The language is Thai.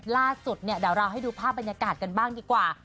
ล่าสุดเนี่ยเดี๋ยวเราให้ดูภาพบรรยากาศกันบ้างดีกว่า